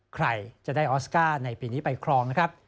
ใครจะได้ออสการ์ในปีนี้ไปครองนะครับ